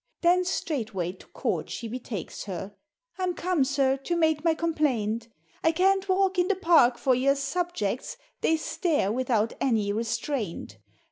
Then straightway to Court she betakes her, " I'm come, Sir, to make my complaint, I can't walk in the Park for your subjects. They stare without any restraint.